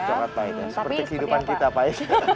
coklat pahit ya seperti kehidupan kita pahit